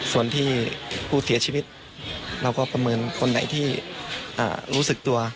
ส่วนที่ผู้เสียชีวิตเราก็ประเมินคนไหนที่รู้สึกตัว